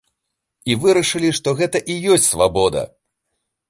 І вырашылі, што гэта і ёсць свабода.